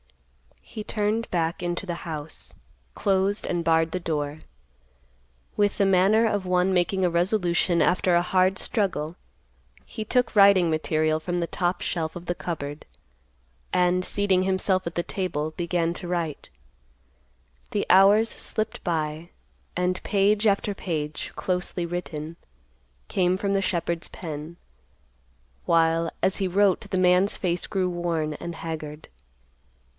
He turned back into the house, closed and barred the door. With the manner of one making a resolution after a hard struggle, he took writing material from the top shelf of the cupboard, and, seating himself at the table, began to write. The hours slipped by, and page after page, closely written, came from the shepherd's pen, while, as he wrote, the man's face grew worn and haggard.